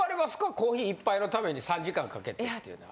コーヒー１杯のために３時間かけてっていうのは。